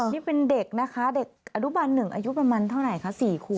นี่เป็นเด็กนะคะเด็กอนุบัน๑อายุประมาณเท่าไหร่คะ๔ขวบ